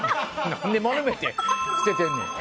何で丸めて捨ててんねん！